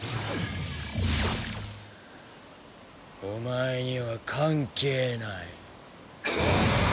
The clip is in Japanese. お前には関係ない。